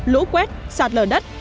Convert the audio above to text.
lỗ quét sạt lở đất